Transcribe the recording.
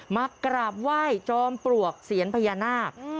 มากราบไหว้จอมปลวกเซียนพญานาค